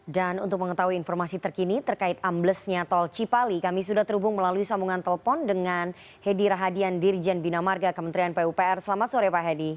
dan untuk mengetahui informasi terkini terkait amblesnya tol cipali kami sudah terhubung melalui sambungan telpon dengan hedi rahadian dirjen bina marga kementerian pupr selamat sore pak hedi